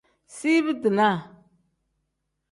Ziibi-dinaa.